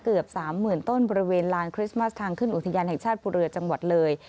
เกือบ๓๐๐๐ต้นบริเวณลานคริสต์มัสทางขึ้นอุทยานแห่งชาติภูเรือจังหวัดเลย